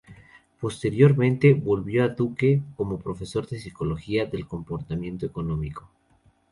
Posteriormente, volvió a Duke como profesor de psicología del comportamiento económico.